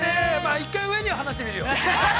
◆１回上には話してみるよ。